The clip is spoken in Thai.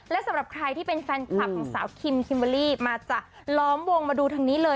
และส่วนผู้เป็นแฟนคลับของสาวคิมมาจะล้อมวงมาดู